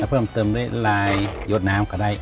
เพิ่มเติมด้วยลายยดน้ำก็ได้